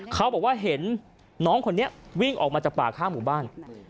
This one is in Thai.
เขาบอกว่าเห็นน้องคนนี้วิ่งออกมาจากป่าข้างหมู่บ้าน